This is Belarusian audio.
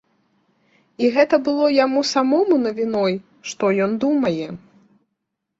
І гэта было яму самому навіной, што ён думае.